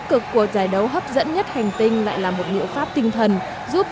cô ơi xem liên tục